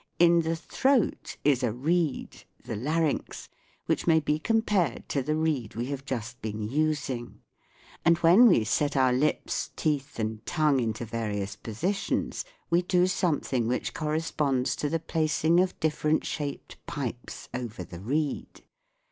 In the throat is a reed the larynx which may be compared to the reed we have just been using ; and when we set our lips, teeth, and tongue into various positions we do something which corresponds to the placing of different shaped pipes over the reed.